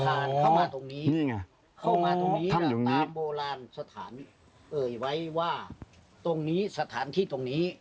ผ่านเข้ามาตรงนี้ตามโบราณสถานเกย์ไว้ว่าตรงนี้สถานที่ตรงนี้